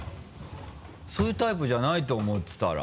そういうタイプじゃないと思ってたら。